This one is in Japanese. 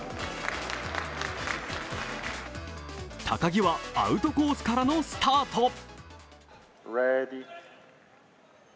高木はアウトコースからのスタート。